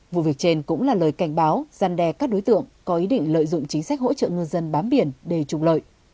vụ việc trên cũng là lời cảnh báo gian đe các đối tượng có ý định lợi dụng chính sách hỗ trợ ngư dân bám biển để trục lợi